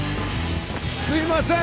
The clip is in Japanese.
すいません！